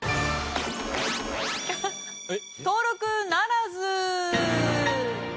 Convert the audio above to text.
登録ならず！